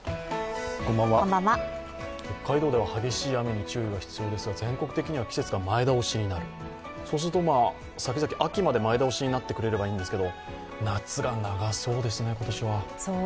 北海道では激しい雨に注意が必要ですが全国的には季節が前倒しになる、そうすると、さきざき、秋まで前倒しになってくれればいいんですが、夏が長そうですね、今年は。